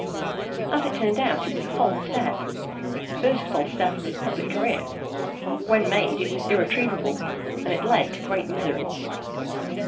As it turned out it was a false step the first false step of his public career. When made it was irretrievable, and it led to great misery.